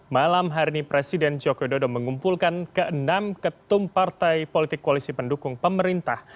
malam hari ini presiden joko widodo mengumpulkan ke enam ketum partai politik koalisi pendukung pemerintah